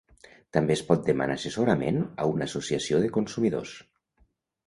També es pot demanar assessorament a una Associació de consumidors.